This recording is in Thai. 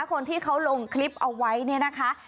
คนที่เขาลงคลิปเอาไว้เนี่ยนะคะ